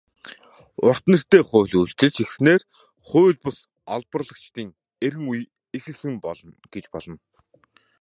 "Урт нэртэй хууль" үйлчилж эхэлснээр хууль бус олборлогчдын эрин үе эхэлсэн гэж болно.